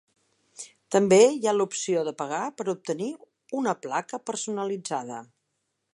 També hi ha l'opció de pagar per obtenir una placa personalitzada.